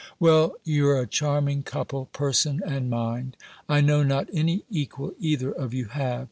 "Well, you're a charming couple person and mind. I know not any equal either of you have.